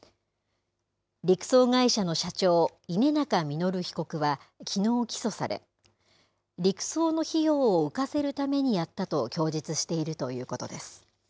陸送会社の社長、稲中実被告はきのう起訴され、陸送の費用をうかせるためにやったと供述しているということです。